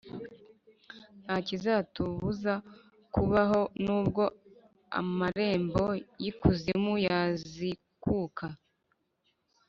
Ntakizatubuza kubaho nubwo amrembo y’ikuzimu yazikuka